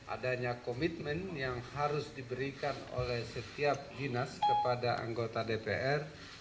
adanya komitmen yang harus diberikan oleh setiap dinas kepada anggota dpr